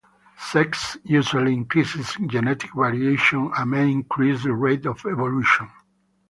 Sex usually increases genetic variation and may increase the rate of evolution.